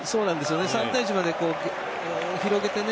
３対１まで広げてね